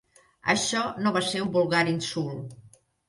Això no va ser un vulgar insult.